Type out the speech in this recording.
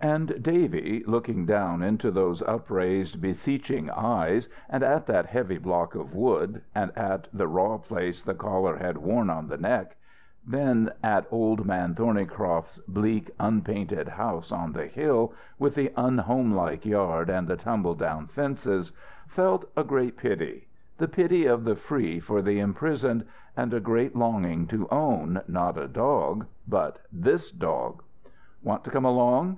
And Davy looking down into those upraised beseeching eyes, and at that heavy block of wood, and at the raw place the collar had worn on the neck, then at Old Man Thornycroft's bleak, unpainted house on the hill, with the unhomelike yard and the tumble down fences, felt a great pity, the pity of the free for the imprisoned, and a great longing to own, not a dog, but this dog. "Want to come along?"